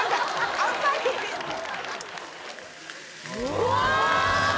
うわ！